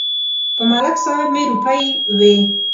په ملک صاحب مې روپۍ وې.